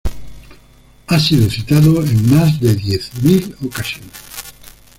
Ha sido citado en más de diez mil ocasiones.